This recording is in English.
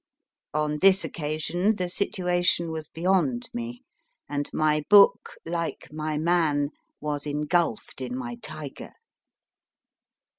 On this occasion the situation was beyond me, and my book, like my man, was engulfed in my tiger.